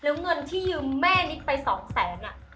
แล้วเงินที่ยืมแม่นิดไปสองแสน